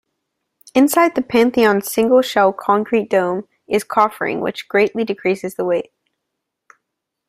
Inside the Pantheon's single-shell concrete dome is coffering which greatly decreases the weight.